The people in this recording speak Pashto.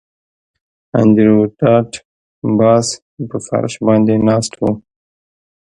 انډریو ډاټ باس په فرش باندې ناست و